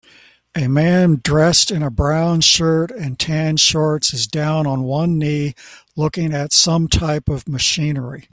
A man dressed in a brown shirt and tan shorts is down on one knee looking at some type of machinery